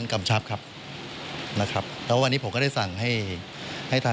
ก็ให้ไม่ให้ปฏิบัติละ